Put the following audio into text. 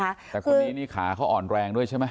แต่คนนี้นี่ขาเขาอ่อนแรงด้วยใช่ไหม